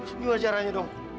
ini wajaranya dong